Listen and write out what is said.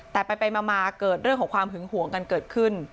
แต่ไปมาเกิดเรื่องของความหึงห่วงกันเกิดขึ้น